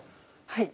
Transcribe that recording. はい。